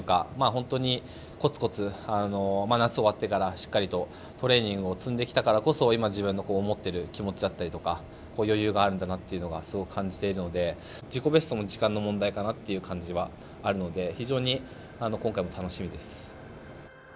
本当にコツコツ夏、終わってから、しっかりとトレーニングを積んできたからこそ今、自分の持ってる気持ちだったりとか余裕があるんだなっていうがすごく感じてるので自己ベストも時間の問題かなっていう感じはあるので非常に今回も楽しみです。